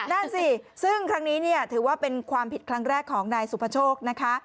นั่นสิซึ่งครั้งนี้เนี่ยถือว่าเป็นความผิดครั้งแรกของนายสุภโชคนะคะ